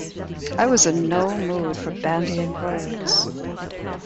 I was in no mood for bandying words.